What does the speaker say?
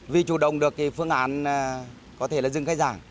vì chủ động được phương án có thể là dừng khai giảng